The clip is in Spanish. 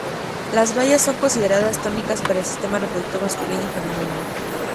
Las bayas son consideradas tónicas para el sistema reproductor masculino y femenino.